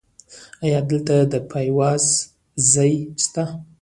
ایا دلته د پایواز ځای شته؟